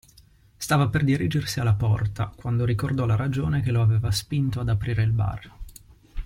Stava per dirigersi alla porta, quando ricordò la ragione che lo aveva spinto ad aprire il bar.